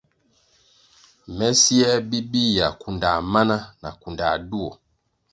Me siē bibihya, kundā mana na na kunda duo.